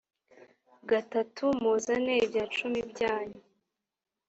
gatatu muzane ibya cumi byanyu